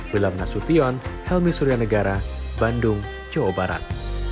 wilam nasution helmi suryanegara bandung jawa barat